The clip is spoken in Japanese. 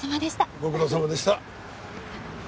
ご苦労さまでした。